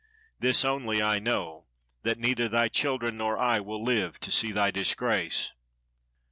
This only I know, that neither thy children nor I will live to see thy disgrace."